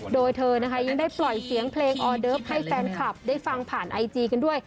โดยเธอนะคะยังได้ปล่อยเสียงเพลงออเดิฟให้แฟนคลับได้ฟังผ่านไอจีกันด้วย